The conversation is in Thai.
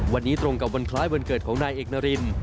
วันนี้ตรงกับวันคล้ายวันเกิดของนายเอกนาริน